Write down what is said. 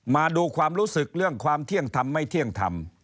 มาดูความรู้สึกเรื่องความเที่ยงธรรมไม่เที่ยงธรรม